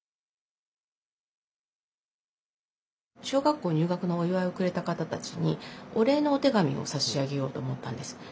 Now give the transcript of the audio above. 小学校入学のお祝いをくれた方たちにお礼のお手紙を差し上げようと思ったんです。